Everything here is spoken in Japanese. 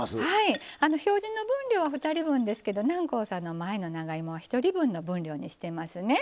表示の分量は２人分ですけど南光さんの前の長芋は１人分の分量にしてますね。